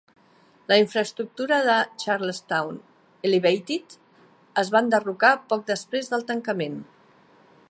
La infraestructura de Charlestown Elevated es va enderrocar poc després del tancament.